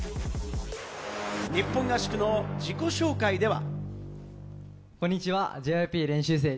日本合宿の自己紹介では。